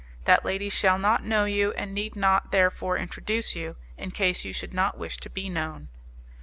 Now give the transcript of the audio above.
That lady shall not know you and need not therefore introduce you, in case you should not wish to be known.